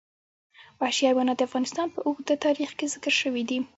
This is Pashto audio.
وحشي حیوانات د افغانستان په اوږده تاریخ کې ذکر شوي دي.